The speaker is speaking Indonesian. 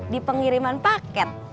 di pengiriman paket